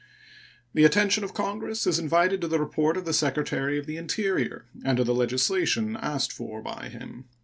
The attention of Congress is invited to the report of the Secretary of the Interior and to the legislation asked for by him.